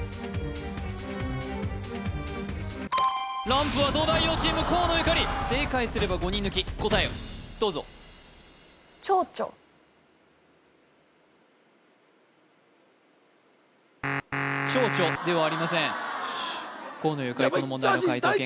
ランプは東大王チーム河野ゆかり正解すれば５人抜き答えをどうぞ「ちょうちょう」ではありません河野ゆかり